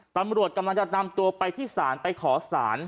ตำรวจกำลังจะนำตัวไปที่ศาลไปขอสาร